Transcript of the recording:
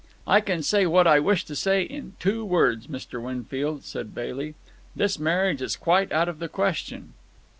"I can say what I wish to say in two words, Mr. Winfield," said Bailey. "This marriage is quite out of the question."